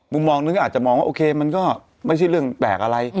มุมมองนึงก็อาจจะมองว่าโอเคมันก็ไม่ใช่เรื่องแปลกอะไร